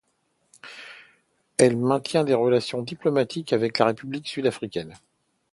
Elle maintient des relations diplomatiques avec la République Sud-Africaine.